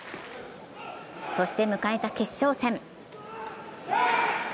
そして迎えた決勝戦。